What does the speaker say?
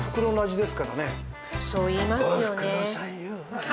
そう言いますよね。